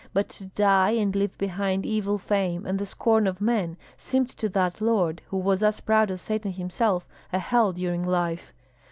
But to die and leave behind evil fame and the scorn of men, seemed to that lord, who was as proud as Satan himself, a hell during life.